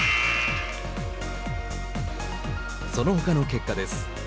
そのほかの結果です。